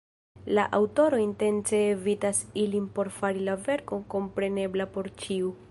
La aŭtoro intence evitas ilin por fari la verkon komprenebla por ĉiu.